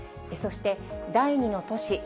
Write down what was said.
そして第２の都市